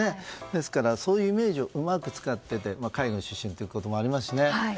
ですから、そういうイメージをうまく使っていて海軍出身ということもありますしね。